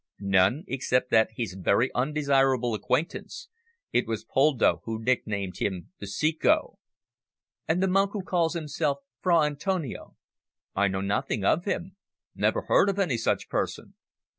"None, except that he's a very undesirable acquaintance. It was Poldo who nicknamed him `The Ceco.'" "And the monk who calls himself Fra Antonio?" "I know nothing of him never heard of any such person."